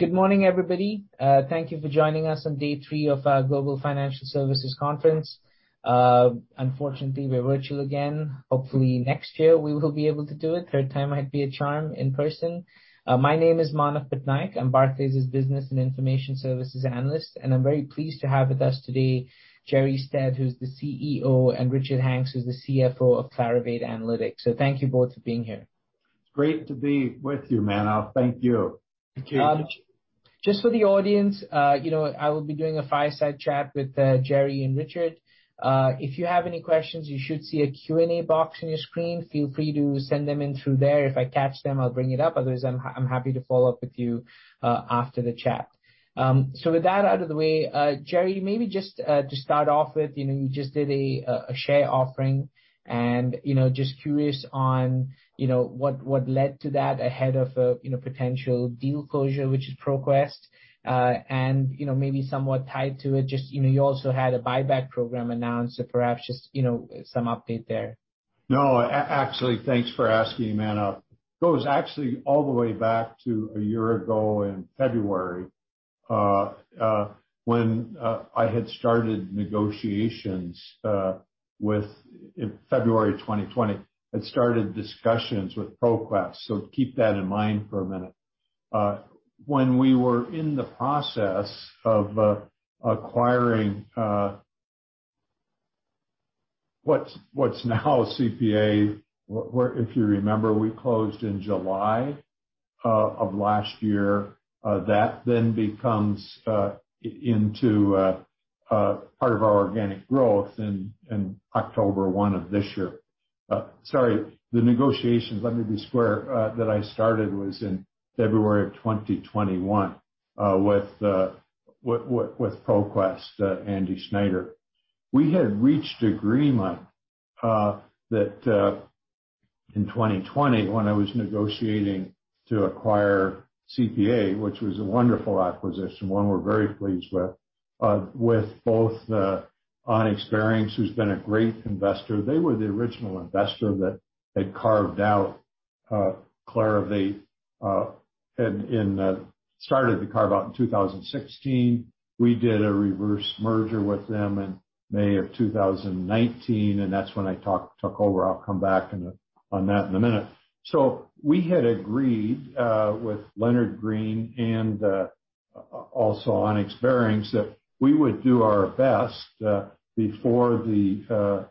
Good morning, everybody. Thank you for joining us on day three of our Global Financial Services Conference. Unfortunately, we're virtual again. Hopefully next year we will be able to do it. Third time might be a charm in person. My name is Manav Patnaik. I'm Barclays' Business and Information Services analyst, and I'm very pleased to have with us today, Jerre Stead, who's the CEO, and Richard Hanks, who's the CFO of Clarivate Analytics. Thank you both for being here. It's great to be with you, Manav. Thank you. Thank you. Just for the audience, I will be doing a fireside chat with Jerre and Richard. If you have any questions, you should see a Q&A box on your screen. Feel free to send them in through there. If I catch them, I'll bring it up. Otherwise, I'm happy to follow up with you after the chat. With that out of the way, Jerre, maybe just to start off with, you just did a share offering and, just curious on what led to that ahead of a potential deal closure, which is ProQuest. Maybe somewhat tied to it, you also had a buyback program announced, so perhaps just some update there. No, actually, thanks for asking, Manav. Goes actually all the way back to a year ago in February, when I had started negotiations, in February 2020, had started discussions with ProQuest. Keep that in mind for a minute. When we were in the process of acquiring what's now CPA Global. If you remember, we closed in July of last year. That then becomes into part of our organic growth in October 1 of this year. Sorry, the negotiations, let me be square, that I started was in February of 2021, with ProQuest, Andy Snyder. We had reached agreement, that in 2020, when I was negotiating to acquire CPA Global, which was a wonderful acquisition, one we're very pleased with both Onex Baring Private Equity Asia, who's been a great investor. They were the original investor that had carved out Clarivate and started the carve-out in 2016. We did a reverse merger with them in May of 2019, and that's when I took over. I'll come back on that in a minute. We had agreed with Leonard Green and also Onex Baring that we would do our best, before the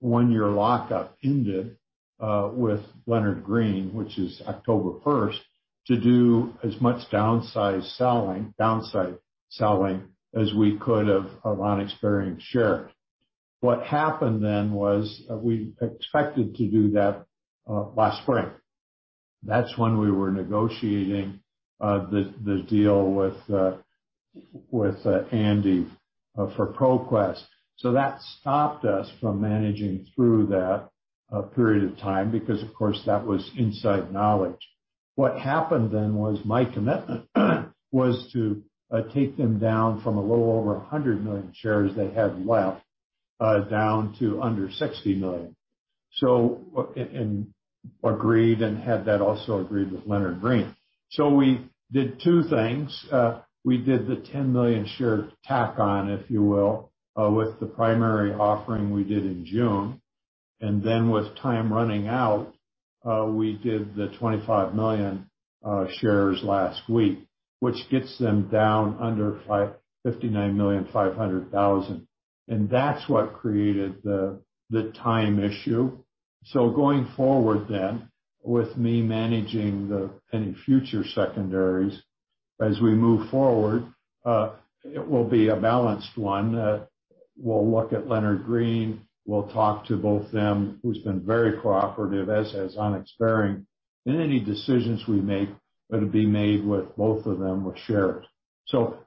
one-year lockup ended with Leonard Green, which is October 1st, to do as much downsize selling as we could of Onex Baring shares. What happened then was, we expected to do that last spring. That's when we were negotiating the deal with Andy for ProQuest. That stopped us from managing through that period of time because of course, that was inside knowledge. What happened then was my commitment was to take them down from a little over 100 million shares they had left, down to under 60 million. I agreed and had that also agreed with Leonard Green. We did two things. We did the 10 million share tack on, if you will, with the primary offering we did in June. With time running out, we did the 25 million shares last week, which gets them down under 59,500,000. That's what created the time issue. Going forward, with me managing any future secondaries as we move forward, it will be a balanced one. We'll look at Leonard Green. We'll talk to both them, who's been very cooperative, as has Onex Baring. Any decisions we make, that'll be made with both of them, or shared.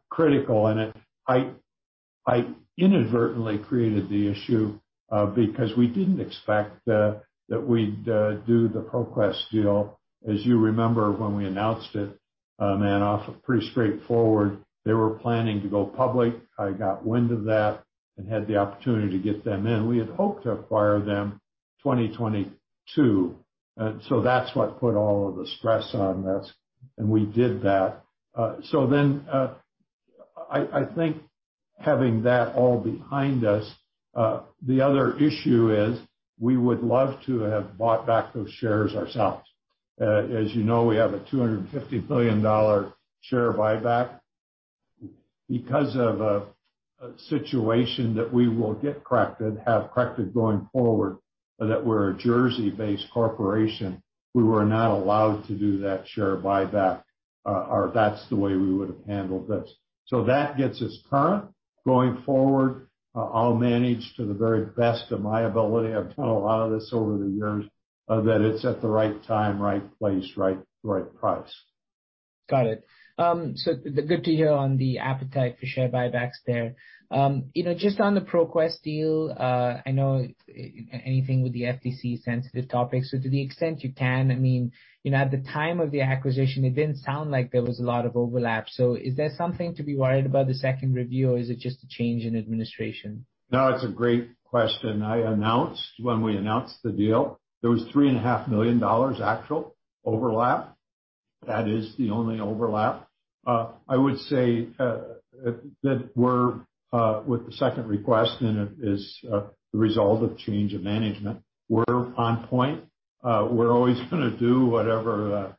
Critical, and I inadvertently created the issue, because we didn't expect that we'd do the ProQuest deal. As you remember when we announced it, Manav, pretty straightforward. They were planning to go public. I got wind of that and had the opportunity to get them in. We had hoped to acquire them 2022. That's what put all of the stress on this, and we did that. I think having that all behind us, the other issue is we would love to have bought back those shares ourselves. As you know, we have a $250 million share buyback. Because of a situation that we will get corrected, have corrected going forward, that we're a Jersey-based corporation, we were not allowed to do that share buyback. That's the way we would have handled this. That gets us current. Going forward, I'll manage to the very best of my ability. I've done a lot of this over the years, that it's at the right time, right place, right price. Good to hear on the appetite for share buybacks there. On the ProQuest deal, I know anything with the FTC sensitive topic, to the extent you can, at the time of the acquisition, it didn't sound like there was a lot of overlap. Is there something to be worried about the second review, or is it just a change in administration? No, it's a great question. I announced when we announced the deal, there was $3.5 million actual overlap. That is the only overlap. I would say that with the second request, it is the result of change of management, we're on point. We're always going to do whatever the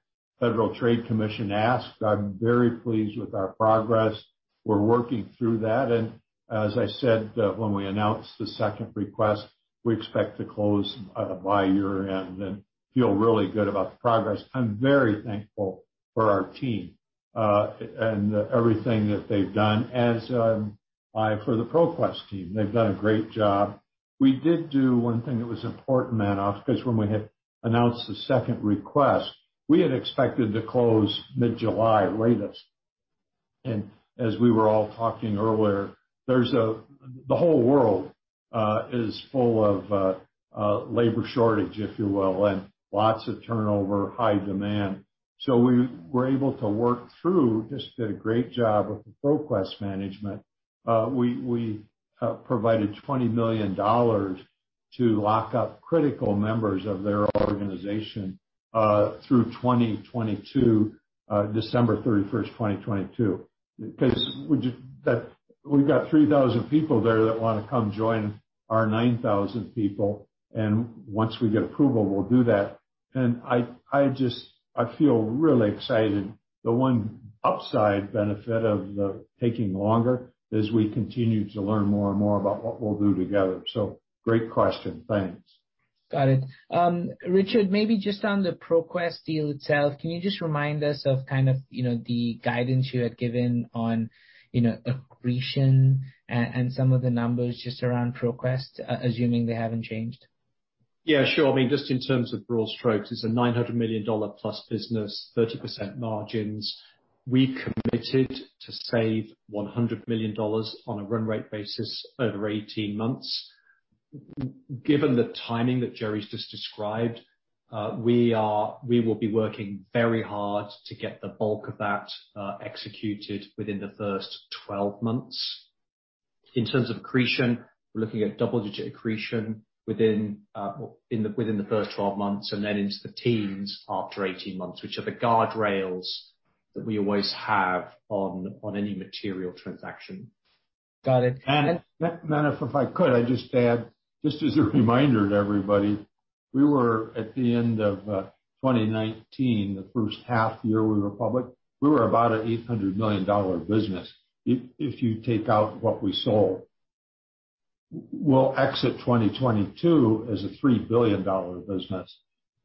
Federal Trade Commission asks. I'm very pleased with our progress. We're working through that. As I said when we announced the second request, we expect to close by year-end and feel really good about the progress. I'm very thankful for our team and everything that they've done, as I am for the ProQuest team. They've done a great job. We did do one thing that was important, Manav, because when we had announced the second request, we had expected to close mid-July latest. As we were all talking earlier, the whole world is full of labor shortage, if you will, and lots of turnover, high demand. We were able to work through, just did a great job with the ProQuest management. We provided $20 million to lock up critical members of their organization through December 31st, 2022. Because we've got 3,000 people there that want to come join our 9,000 people. Once we get approval, we'll do that. I feel really excited. The one upside benefit of the taking longer is we continue to learn more and more about what we'll do together. Great question, thanks. Got it. Richard, maybe just on the ProQuest deal itself, can you just remind us of kind of the guidance you had given on accretion and some of the numbers just around ProQuest, assuming they haven't changed? Yeah, sure. Just in terms of broad strokes, it's a $900 million plus business, 30% margins. We committed to save $100 million on a run rate basis over 18 months. Given the timing that Jerre Stead's just described, we will be working very hard to get the bulk of that executed within the first 12 months. In terms of accretion, we're looking at double-digit accretion within the first 12 months, and then into the teens after 18 months, which are the guardrails that we always have on any material transaction. Got it. Manav, if I could, I'd just add, just as a reminder to everybody, we were at the end of 2019, the first half year we were public, we were about an $800 million business, if you take out what we sold. We'll exit 2022 as a $3 billion business.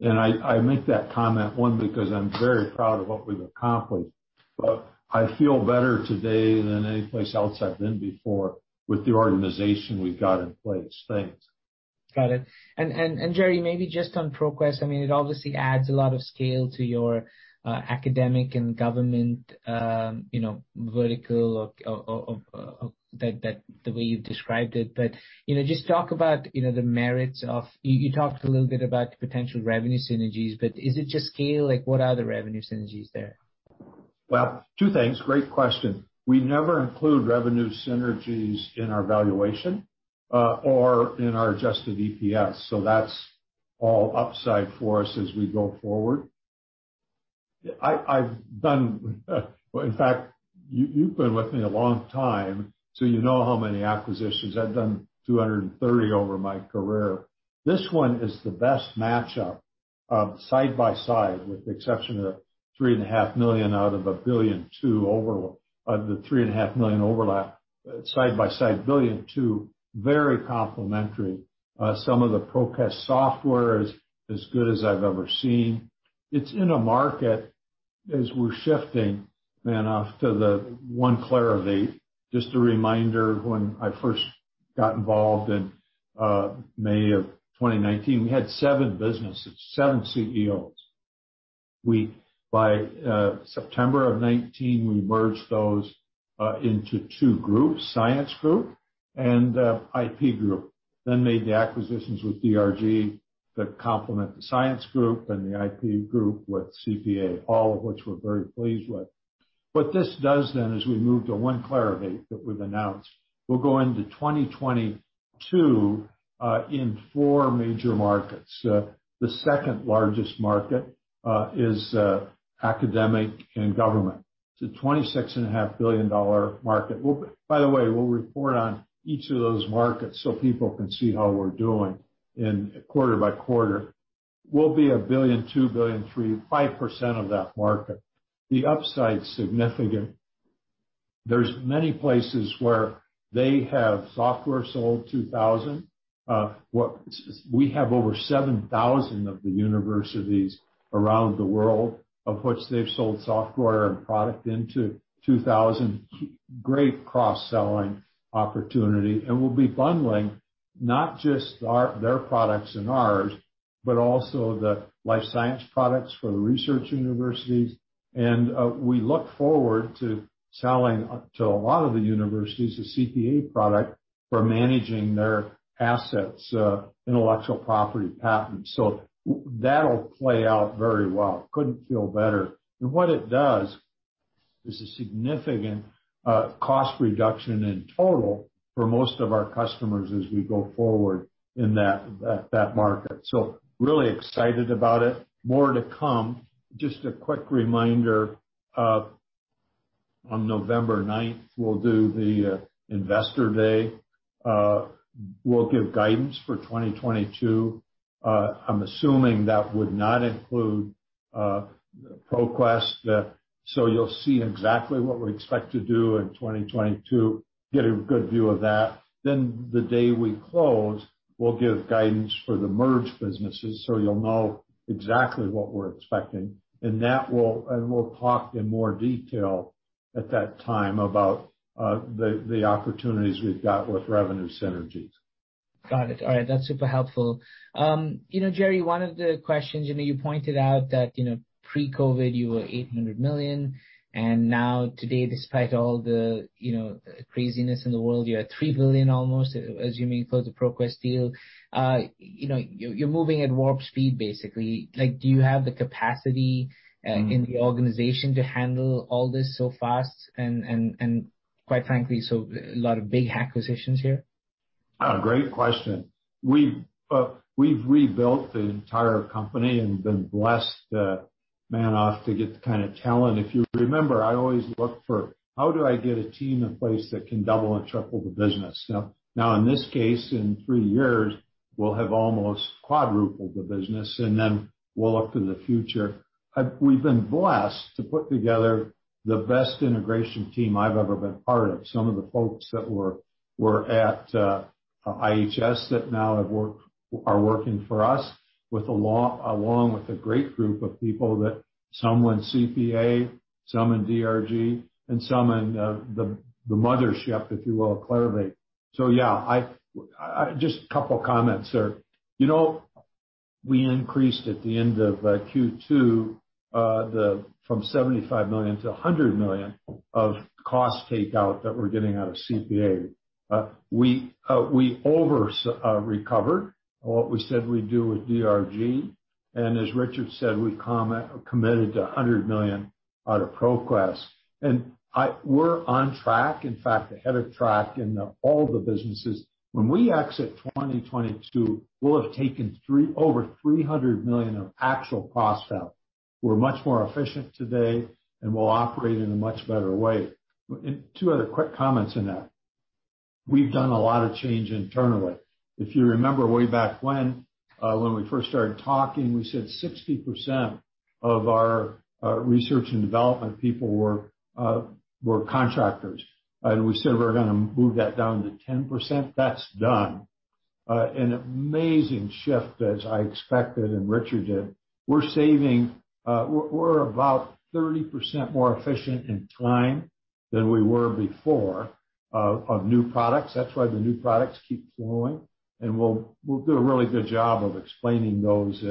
I make that comment, one, because I'm very proud of what we've accomplished, but I feel better today than any place else I've been before with the organization we've got in place. Thanks. Got it. Jerre, maybe just on ProQuest. It obviously adds a lot of scale to your academic and government vertical, the way you've described it. Just talk about the merits of. You talked a little bit about potential revenue synergies, is it just scale? What are the revenue synergies there? Well, two things. Great question. We never include revenue synergies in our valuation or in our adjusted EPS. That's all upside for us as we go forward. In fact, you've been with me a long time. You know how many acquisitions. I've done 230 over my career. This one is the best matchup of side by side, with the exception of $3.5 million overlap side by side [billion to] very complementary. Some of the ProQuest software is as good as I've ever seen. It's in a market as we're shifting, Manav, to the One Clarivate. Just a reminder, when I first got involved in May of 2019, we had seven businesses, seven CEOs. By September of 2019, we merged those into two groups, science group and IP group, then made the acquisitions with DRG that complement the science group and the IP group with CPA, all of which we're very pleased with. What this does then is we move to One Clarivate that we've announced. We'll go into 2022 in four major markets. The second largest market is academic and government. It's a $26.5 billion market. By the way, we'll report on each of those markets so people can see how we're doing quarter by quarter. We'll be $1 billion, $2 billion, 3%, 5% of that market. The upside's significant. There's many places where they have software sold 2,000. We have over 7,000 of the universities around the world of which they've sold software and product into 2,000. Great cross-selling opportunity. We'll be bundling not just their products and ours, but also the life science products for the research universities. We look forward to selling to a lot of the universities the CPA product for managing their assets, intellectual property patents. That'll play out very well. Couldn't feel better. What it does. This is significant cost reduction in total for most of our customers as we go forward in that market. Really excited about it. More to come. Just a quick reminder, on November 9th, we'll do the Investor Day. We'll give guidance for 2022. I'm assuming that would not include ProQuest, so you'll see exactly what we expect to do in 2022, get a good view of that. The day we close, we'll give guidance for the merged businesses, so you'll know exactly what we're expecting. We'll talk in more detail at that time about the opportunities we've got with revenue synergies. Got it. All right. That's super helpful. Jerre, one of the questions, you pointed out that pre-COVID you were $800 million, now today, despite all the craziness in the world, you're at $3 billion almost as you may close the ProQuest deal. You're moving at warp speed, basically. Do you have the capacity in the organization to handle all this so fast, and quite frankly, so a lot of big acquisitions here? Great question. We've rebuilt the entire company and been blessed Manav to get the kind of talent. If you remember, I always look for, how do I get a team in place that can double and triple the business? In this case, in three years, we'll have almost quadrupled the business, and then well up in the future. We've been blessed to put together the best integration team I've ever been part of. Some of the folks that were at IHS that now are working for us, along with a great group of people that some were in CPA, some in DRG, and some in the mothership, if you will, Clarivate. Yeah. Just a couple of comments. We increased at the end of Q2 from $75 million to $100 million of cost takeout that we're getting out of CPA. We over-recovered what we said we'd do with DRG. As Richard said, we committed to $100 million out of ProQuest. We're on track, in fact, ahead of track in all the businesses. When we exit 2022, we'll have taken over $300 million of actual cost out. We're much more efficient today, and we'll operate in a much better way. Two other quick comments in that. We've done a lot of change internally. If you remember way back when we first started talking, we said 60% of our research and development people were contractors, and we said we're going to move that down to 10%. That's done. An amazing shift as I expected and Richard did. We're about 30% more efficient in time than we were before of new products. That's why the new products keep flowing, and we'll do a really good job of explaining those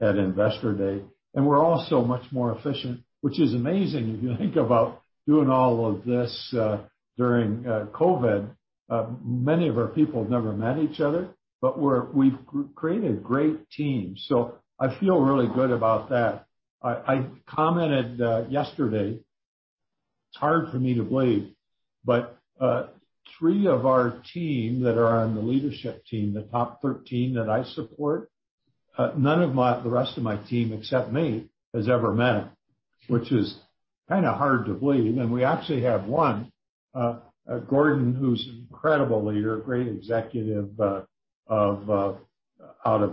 at Investor Day. We're also much more efficient, which is amazing if you think about doing all of this during COVID. Many of our people have never met each other, but we've created a great team. I feel really good about that. I commented yesterday, it's hard for me to believe, but three of our team that are on the leadership team, the top 13 that I support, none of the rest of my team, except me, has ever met, which is kind of hard to believe. We actually have one, Gordon, who's an incredible leader, great executive out of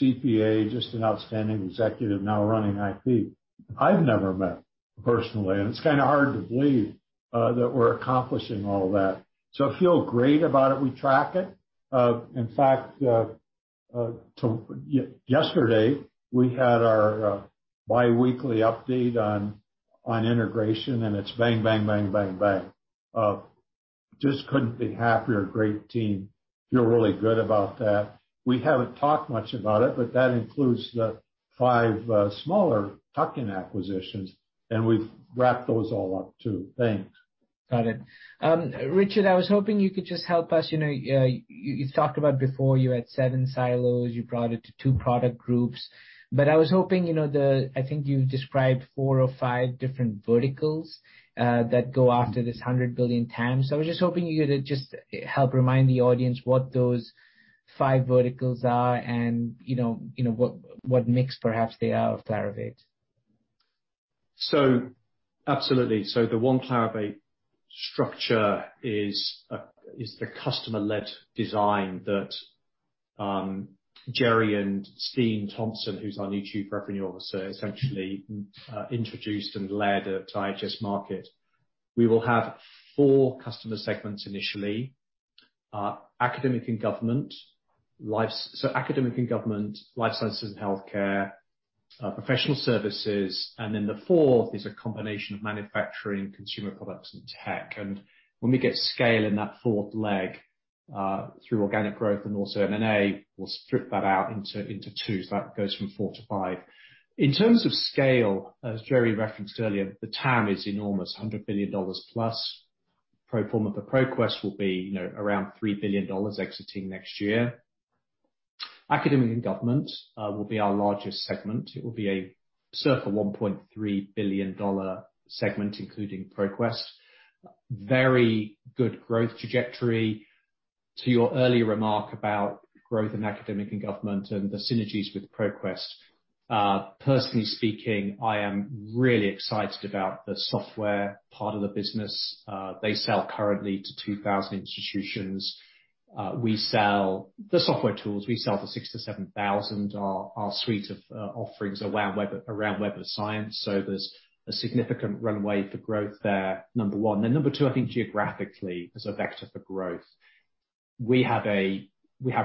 CPA, just an outstanding executive now running IP, I've never met personally. It's kind of hard to believe that we're accomplishing all of that. I feel great about it. We track it. In fact, yesterday we had our biweekly update on integration, and it's bang, bang, bang. Just couldn't be happier. Great team. Feel really good about that. We haven't talked much about it, but that includes the five smaller tuck-in acquisitions, and we've wrapped those all up too. Thanks. Got it. Richard, I was hoping you could just help us. You talked about before you had seven silos, you brought it to two product groups. I was hoping, I think you described four or five different verticals that go after this $100 billion TAM. I was just hoping you could just help remind the audience what those five verticals are and what mix perhaps they are of Clarivate. Absolutely. The One Clarivate structure is the customer-led design that Jerre and Steen Lomholt-Thomsen, who's our new Chief Revenue Officer, essentially introduced and led at IHS Markit. We will have four customer segments initially. academic and government, life sciences and healthcare, professional services, and the fourth is a combination of manufacturing, consumer products, and tech. When we get scale in that fourth leg through organic growth and also M&A, we'll strip that out into two. That goes from four to five. In terms of scale, as Jerre referenced earlier, the TAM is enormous, $100 billion plus. Pro forma of the ProQuest will be around $3 billion exiting next year. Academic and government will be our largest segment. It will be a circa $1.3 billion segment, including ProQuest. Very good growth trajectory. To your earlier remark about growth in academic and government and the synergies with ProQuest, personally speaking, I am really excited about the software part of the business. They sell currently to 2,000 institutions. The software tools, we sell to 6,000 to 7,000, our suite of offerings around Web of Science. There's a significant runway for growth there, number one. Number two, I think geographically as a vector for growth, we have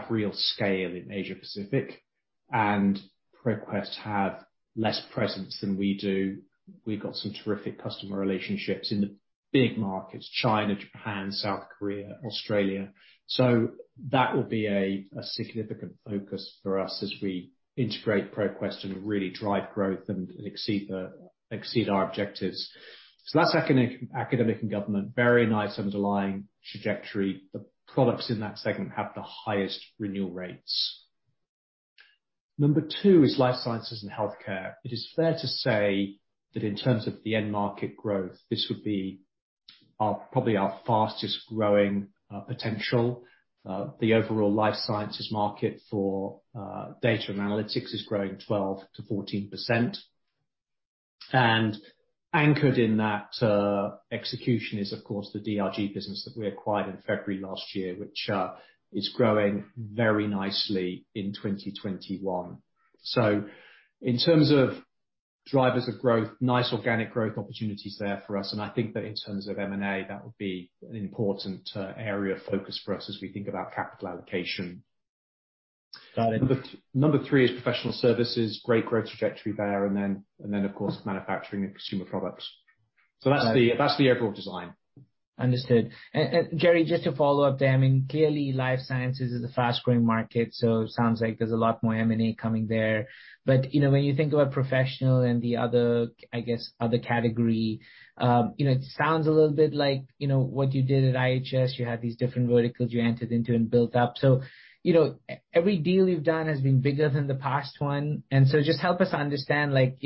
real scale in Asia Pacific and ProQuest have less presence than we do. We've got some terrific customer relationships in the big markets, China, Japan, South Korea, Australia. That will be a significant focus for us as we integrate ProQuest and really drive growth and exceed our objectives. That's academic and government, very nice underlying trajectory. The products in that segment have the highest renewal rates. Number two is life sciences and healthcare. It is fair to say that in terms of the end market growth, this would be probably our fastest growing potential. The overall life sciences market for data and analytics is growing 12%-14%. Anchored in that execution is of course the DRG business that we acquired in February last year, which is growing very nicely in 2021. In terms of drivers of growth, nice organic growth opportunities there for us. I think that in terms of M&A, that would be an important area of focus for us as we think about capital allocation. Got it. Number three is professional services, great growth trajectory there, and then of course, manufacturing and consumer products. That's the overall design. Understood. Jerre, just to follow up there, I mean, clearly life sciences is a fast-growing market, so sounds like there's a lot more M&A coming there. When you think about professional and the other, I guess, other category, it sounds a little bit like what you did at IHS. You had these different verticals you entered into and built up. Every deal you've done has been bigger than the past one, and so just help us understand, what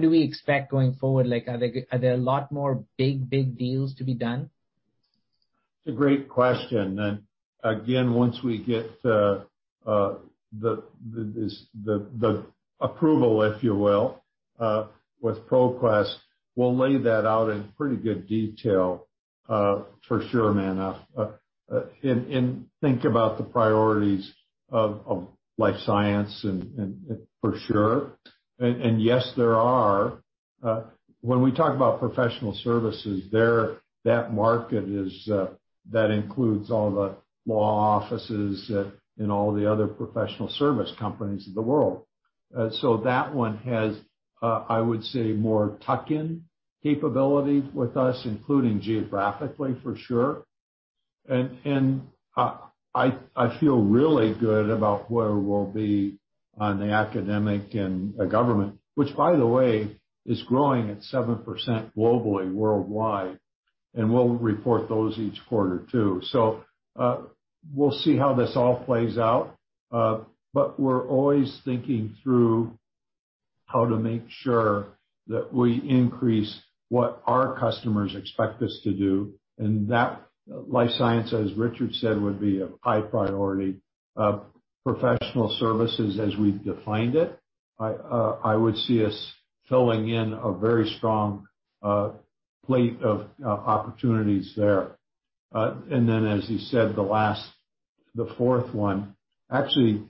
do we expect going forward? Are there a lot more big deals to be done? It's a great question. Again, once we get the approval, if you will, with ProQuest, we'll lay that out in pretty good detail, for sure, Manav. Think about the priorities of life science for sure. Yes, there are. When we talk about professional services, that market includes all the law offices and all the other professional service companies in the world. That one has, I would say, more tuck-in capability with us, including geographically, for sure. I feel really good about where we'll be on the academic and government, which by the way, is growing at 7% globally, worldwide. We'll report those each quarter too. We'll see how this all plays out. We're always thinking through how to make sure that we increase what our customers expect us to do, and that life science, as Richard said, would be a high priority. Professional services as we've defined it, I would see us filling in a very strong plate of opportunities there. Then as you said, the last, the fourth one, actually,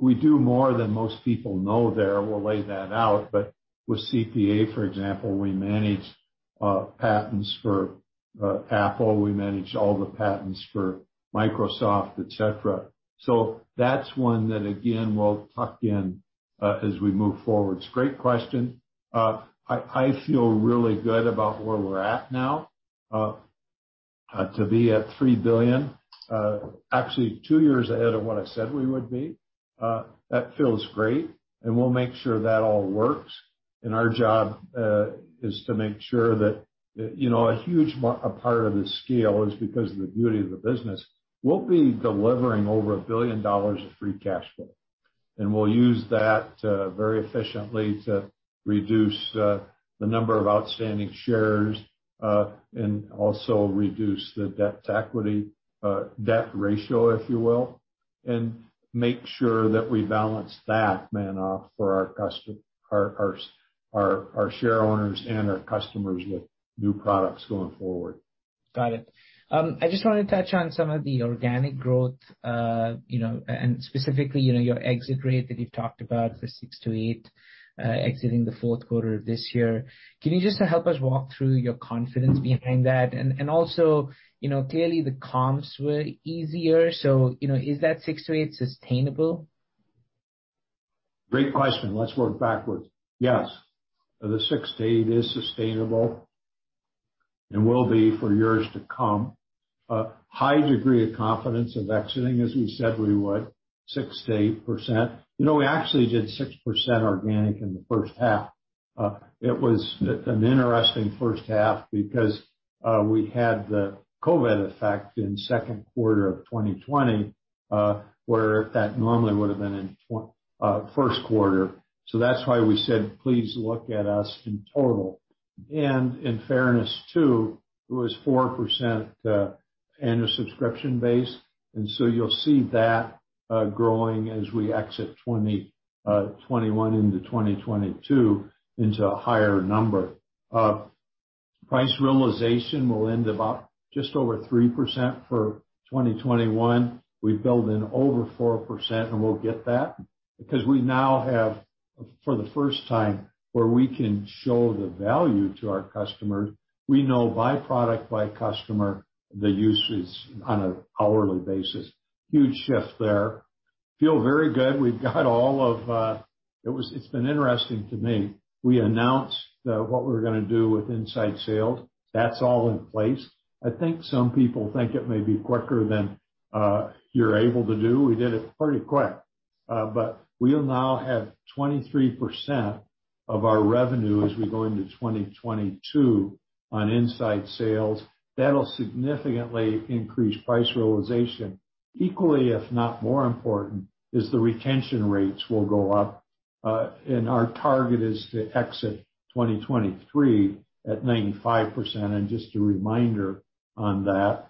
we do more than most people know there, and we'll lay that out. With CPA, for example, we manage patents for Apple, we manage all the patents for Microsoft, et cetera. That's one that, again, we'll tuck in as we move forward. It's a great question. I feel really good about where we're at now. To be at $3 billion, actually two years ahead of what I said we would be, that feels great, and we'll make sure that all works. Our job is to make sure that a huge part of the scale is because of the beauty of the business. We'll be delivering over $1 billion of free cash flow, and we'll use that very efficiently to reduce the number of outstanding shares, and also reduce the debt to equity ratio if you will. Make sure that we balance that, Manav, for our share owners and our customers with new products going forward. Got it. I just want to touch on some of the organic growth, and specifically, your exit rate that you've talked about, the 6%-8%, exiting the fourth quarter of this year. Can you just help us walk through your confidence behind that? Also, clearly the comps were easier. Is that 6%-8% sustainable? Great question. Let's work backwards. Yes. The 6%-8% is sustainable and will be for years to come. A high degree of confidence of exiting, as we said we would, 6%-8%. We actually did 6% organic in the first half. It was an interesting first half because we had the COVID effect in second quarter of 2020, where that normally would've been in first quarter. That's why we said, please look at us in total. In fairness too, it was 4% annual subscription base, and so you'll see that growing as we exit 2021 into 2022 into a higher number. Price realization will end about just over 3% for 2021. We've built in over 4%, and we'll get that because we now have, for the first time, where we can show the value to our customers. We know by product, by customer, the usage on an hourly basis. Huge shift there. Feel very good. It's been interesting to me. We announced what we were going to do with inside sales. That's all in place. I think some people think it may be quicker than you're able to do. We did it pretty quick. We'll now have 23% of our revenue as we go into 2022 on inside sales. That'll significantly increase price realization. Equally, if not more important, is the retention rates will go up. Our target is to exit 2023 at 95%. Just a reminder on that,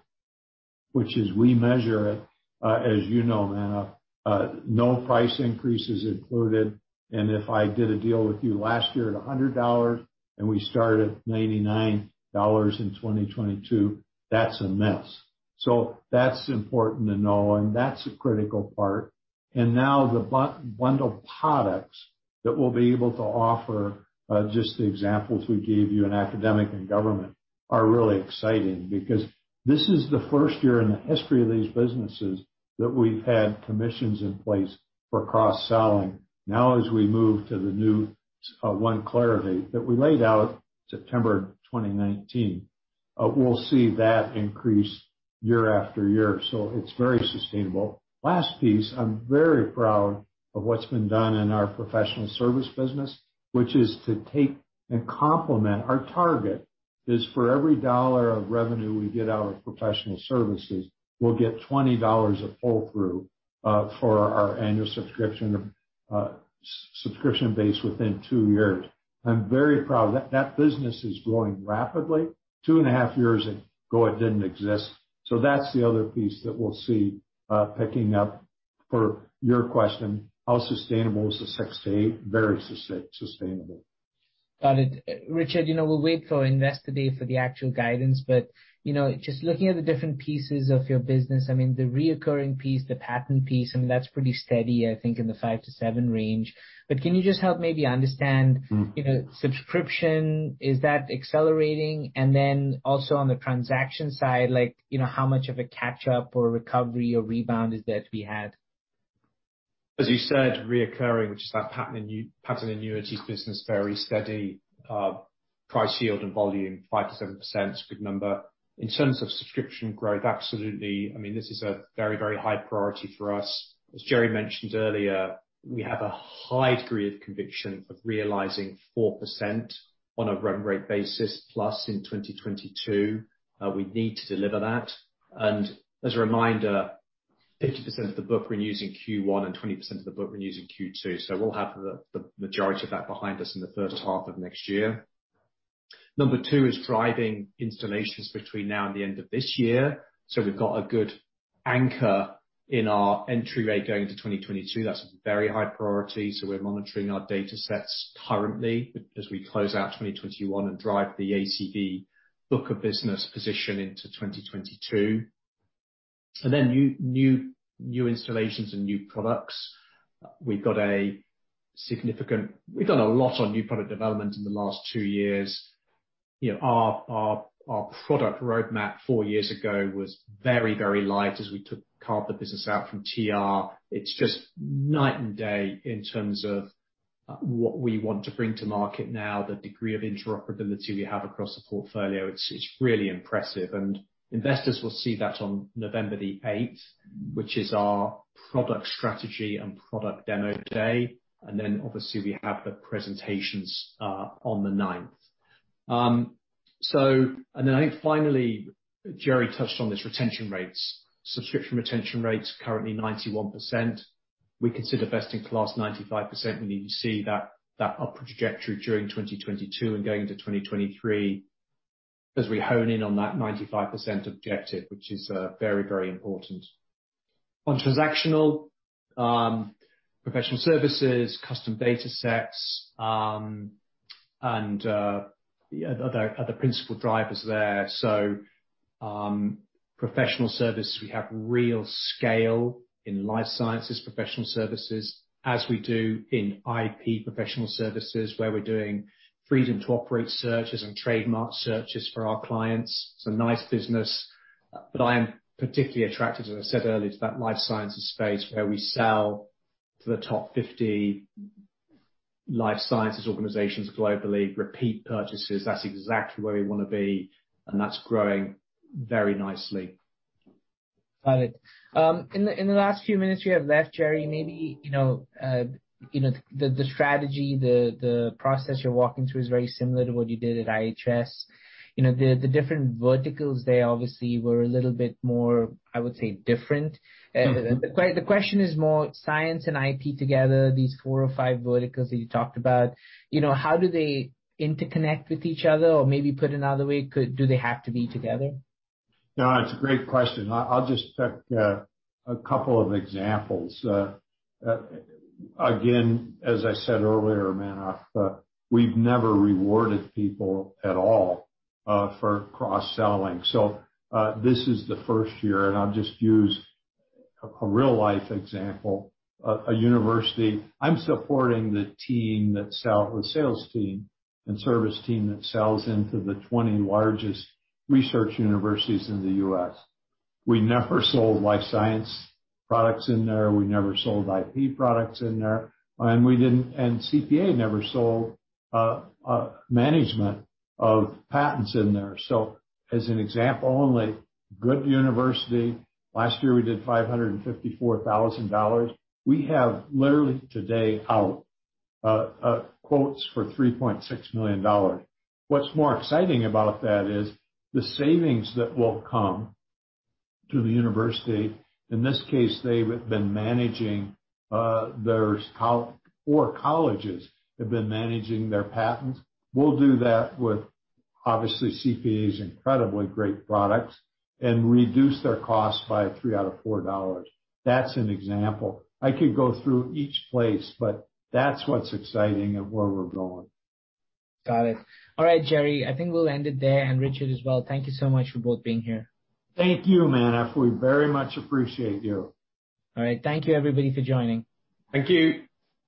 which is we measure it, as you know, no price increase is included, and if I did a deal with you last year at $100 and we start at $99 in 2022, that's a miss. That's important to know, and that's a critical part. Now the bundled products that we'll be able to offer, just the examples we gave you in academic and government, are really exciting because this is the first year in the history of these businesses that we've had commissions in place for cross-selling. Now as we move to the new One Clarivate that we laid out September 2019, we'll see that increase year after year. It's very sustainable. Last piece, I'm very proud of what's been done in our professional service business, which is to take and complement. Our target is for every dollar of revenue we get out of professional services, we'll get $20 of pull-through for our annual subscription base within two years. I'm very proud. That business is growing rapidly, 2.5 years ago, it didn't exist. That's the other piece that we'll see picking up for your question, how sustainable is the 6%-8%? Very sustainable. Got it. Richard, we'll wait for Investor Day for the actual guidance. Just looking at the different pieces of your business, the reoccurring piece, the patent piece, that's pretty steady, I think, in the 5%-7% range. Can you just help maybe understand. Subscription, is that accelerating? Also on the transaction side, how much of a catch up or recovery or rebound is that we had? As you said, reoccurring, which is our patent and annuities business, very steady. Price yield and volume 5%-7%, good number. In terms of subscription growth, absolutely. This is a very high priority for us. As Jerre mentioned earlier, we have a high degree of conviction of realizing 4% on a run rate basis plus in 2022. We need to deliver that. As a reminder, 50% of the book renews in Q1 and 20% of the book renews in Q2, so we'll have the majority of that behind us in the first half of next year. Number two is driving installations between now and the end of this year, so we've got a good anchor in our entry rate going into 2022. That's a very high priority. We're monitoring our data sets currently as we close out 2021 and drive the ACV book of business position into 2022. New installations and new products. We've done a lot on new product development in the last two years. Our product roadmap four years ago was very light as we carved the business out from TR. It's just night and day in terms of what we want to bring to market now, the degree of interoperability we have across the portfolio. It's really impressive, and investors will see that on November the 8th, which is our product strategy and product demo day. Obviously we have the presentations on the 9th. I think finally, Jerre touched on this, retention rates. Subscription retention rates currently 91%. We consider best in class 95%. We need to see that upward trajectory during 2022 and going into 2023 as we hone in on that 95% objective, which is very important. On transactional professional services, custom data sets, and other principal drivers there. Professional services, we have real scale in life sciences professional services as we do in IP professional services, where we're doing freedom to operate searches and trademark searches for our clients. It's a nice business. I am particularly attracted, as I said earlier, to that life sciences space where we sell to the top 50 life sciences organizations globally, repeat purchases. That's exactly where we want to be, and that's growing very nicely. Got it. In the last few minutes we have left, Jerre, maybe the strategy, the process you're walking through is very similar to what you did at IHS. The different verticals there obviously were a little bit more, I would say, different. The question is more science and IP together, these four or five verticals that you talked about, how do they interconnect with each other? Maybe put another way, do they have to be together? No, that's a great question. I'll just check a couple of examples. Again, as I said earlier, Manav, we've never rewarded people at all for cross-selling. This is the first year, and I'll just use a real-life example. A university, I'm supporting the sales team and service team that sells into the 20 largest research universities in the U.S. We never sold life science products in there. We never sold IP products in there, and CPA never sold management of patents in there. As an example only, good university, last year we did $554,000. We have literally today out quotes for $3.6 million. What's more exciting about that is the savings that will come to the university. In this case, four colleges have been managing their patents. We'll do that with, obviously, CPA's incredibly great products and reduce their cost by $3 out of $4. That's an example. I could go through each place, but that's what's exciting and where we're going. Got it. All right, Jerre, I think we'll end it there, and Richard as well. Thank you so much for both being here. Thank you, Manav. We very much appreciate you. All right. Thank you everybody for joining. Thank you.